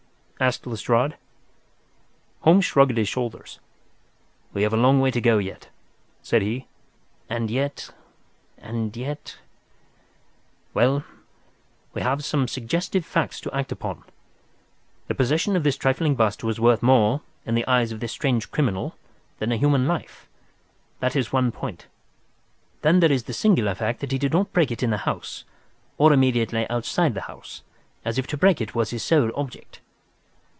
asked Lestrade. Holmes shrugged his shoulders. "We have a long way to go yet," said he. "And yet—and yet—well, we have some suggestive facts to act upon. The possession of this trifling bust was worth more, in the eyes of this strange criminal, than a human life. That is one point. Then there is the singular fact that he did not break it in the house, or immediately outside the house, if to break it was his sole object."